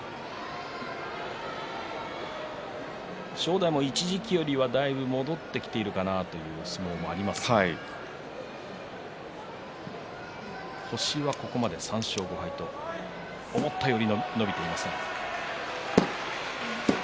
正代も一時期よりはだいぶ戻ってきているかなという相撲もありますが星はここまで、３勝５敗と思ったより伸びていません。